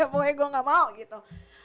pokoknya gue gak mau gitu